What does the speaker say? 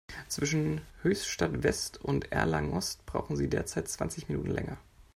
Zwischen Höchstadt-West und Erlangen-Ost brauchen Sie derzeit zwanzig Minuten länger.